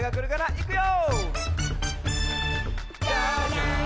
いくよ！